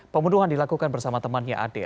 pembunuhan dilakukan bersama temannya ade